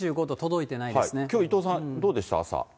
きょう、伊藤さん、どうでした？